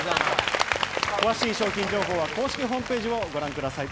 詳しい商品情報は公式ホームページをご覧ください。